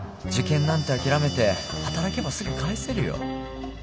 受験なんて諦めて働けばすぐ返せるよ。